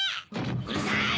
うるさい！